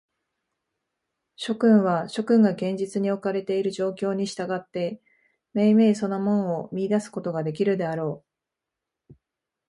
諸君は、諸君が現実におかれている状況に従って、めいめいその門を見出すことができるであろう。